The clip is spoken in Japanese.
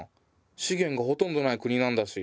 資源がほとんどない国なんだし。